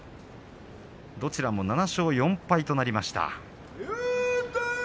どちらも７勝４敗となりました。